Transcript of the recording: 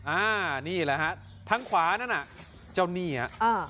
อ่านี่แหละฮะทางขวานั่นน่ะเจ้านี่ฮะอ่า